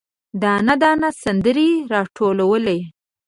دانه، دانه سندرې، راټولوي